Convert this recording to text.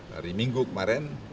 hari minggu kemarin